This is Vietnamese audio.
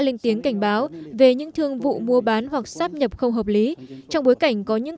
lên tiếng cảnh báo về những thương vụ mua bán hoặc sắp nhập không hợp lý trong bối cảnh có những